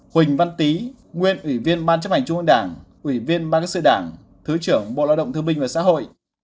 huỳnh văn tý nguyên ủy viên ban chấp hành trung ương đảng bí thư ban các sự đảng thứ trưởng bộ đạo động tư minh và xã hội